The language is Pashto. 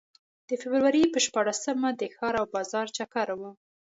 د فبروري په شپاړسمه د ښار او بازار چکر و.